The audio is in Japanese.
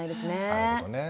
なるほどね。